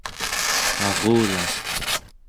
arula